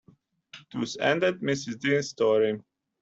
Thus ended Mrs. Dean’s story.